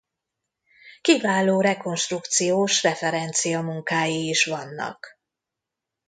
Kiváló rekonstrukciós referencia munkái is vannak.